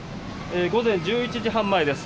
午前１１時半前です。